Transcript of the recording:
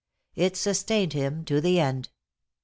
It sustained him to the end.